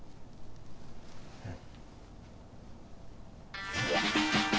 うん。